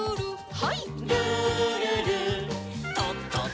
はい。